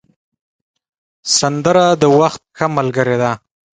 سندره د وخت ښه ملګرې ده